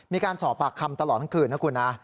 มีการสอบปากคำตลอดทั้งคืน